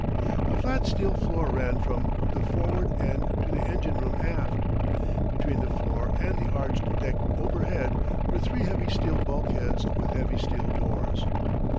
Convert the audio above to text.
A flat steel floor ran from the forward end to the engine room aft. Between the floor and the arched deck overhead were three heavy steel bulkheads with heavy steel doors.